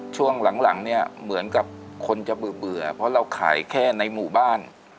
ช่วงหลังเนี่ยเหมือนกับคนจะเบื่อเพราะเราขายแค่ในหมู่บ้าน